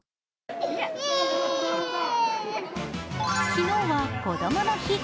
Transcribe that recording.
昨日は、こどもの日。